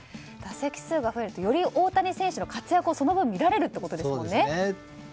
打席数が増えるとより大谷選手の活躍がその分見られるってことですもんね。